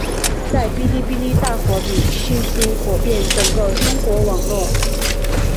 在哔哩哔哩大火并迅速火遍整个中国网络。